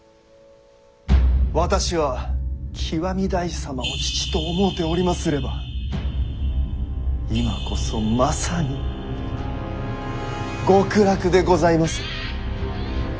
私は極大師様を父と思うておりますればいまこそまさに極楽でございます。